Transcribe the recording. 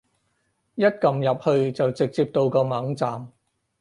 一撳入去就直接到個網站